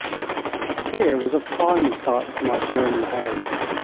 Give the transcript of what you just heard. Here was a fine start for my journey home.